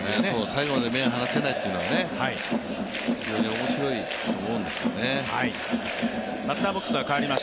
最後まで目が離せないというのは非常に面白いと思うんですよね。